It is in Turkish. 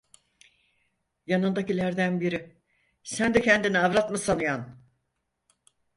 Yanındakilerden biri: "Sen de kendini avrat mı sayıyon?"